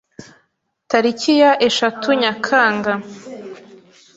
Tariki ya eshatu Nyakanga